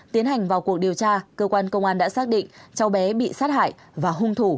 tiến hành vào cuộc điều tra cơ quan công an đã xác định cháu bé bị sát hại và hung thủ